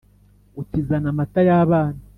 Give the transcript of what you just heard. uti: “zana amata y’abana”